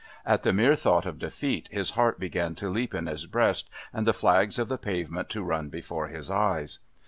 At the mere thought of defeat his heart began to leap in his breast and the flags of the pavement to run before his eyes.